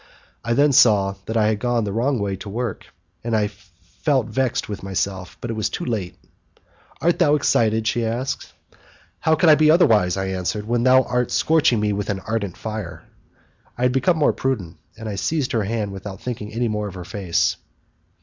I then saw that I had gone the wrong way to work, and I felt vexed with myself; but it was too late. "Art thou excited?" she said. "How could I be otherwise," I answered, "when thou art scorching me with an ardent fire?" I had become more prudent, and I seized her hand without thinking any more of her face.